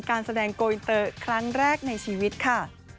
การแสดงโกอินเตอร์ครั้งแรกในชีวิตค่ะ